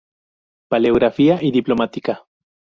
Paleografía y Diplomática.